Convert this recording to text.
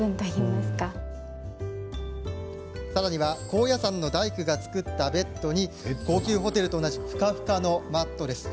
高野山の大工が作ったベッドに高級ホテルと同じふかふかのマットレス。